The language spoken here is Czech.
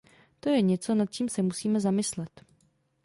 To je něco, nad čím se musíme zamyslet.